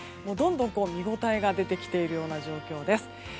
どんどん見応えが出てきている状況です。